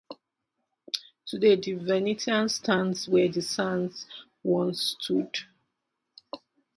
Today, The Venetian stands where the Sands once stood.